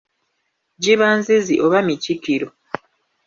Giba nzizi oba mikikiro.